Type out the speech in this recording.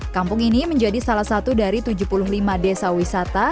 kampung ini menjadi salah satu dari tujuh puluh lima desa wisata